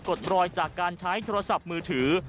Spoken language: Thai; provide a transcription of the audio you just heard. ดรอยจากการใช้โทรศัพท์มือถือ